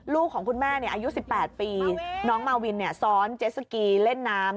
ของคุณแม่อายุ๑๘ปีน้องมาวินซ้อนเจสสกีเล่นน้ำ